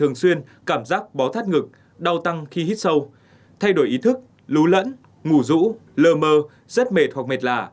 thường xuyên cảm giác bó thắt ngực đau tăng khi hít sâu thay đổi ý thức lún lẫn ngủ rũ lơ mơ rất mệt hoặc mệt lạ